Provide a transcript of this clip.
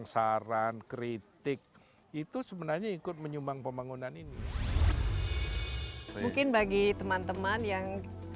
saran kritik itu sebenarnya ikut menyumbang pembangunan ini mungkin bagi teman teman yang